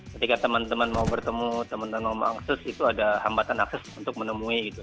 ketika teman teman mau bertemu teman teman mau akses itu ada hambatan akses untuk menemui gitu